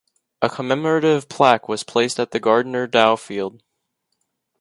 A commemorative plaque was placed at the Gardner Dow Field.